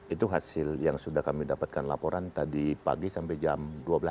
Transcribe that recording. itu hasil yang sudah kami dapatkan laporan tadi pagi sampai jam dua belas